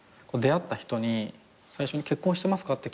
出会った人に最初に結婚してますか？